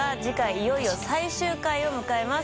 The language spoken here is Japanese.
いよいよ最終回を迎えます。